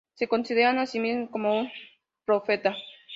Se considera a sí mismo como un profeta.